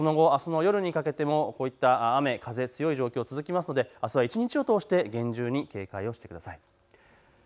その後、あすの夜にかけてもこういった雨風強い状況続きますのであすは一日を通して厳重に警戒をしてください。